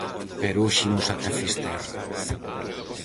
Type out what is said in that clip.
Pero hoxe imos ata Fisterra.